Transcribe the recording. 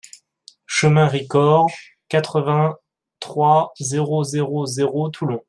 Chemin Ricord, quatre-vingt-trois, zéro zéro zéro Toulon